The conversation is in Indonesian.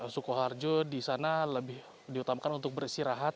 sukoharjo disana lebih diutamakan untuk bersirahat